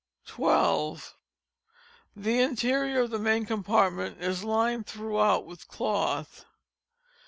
12. The interior of the main compartment is lined throughout with _cloth.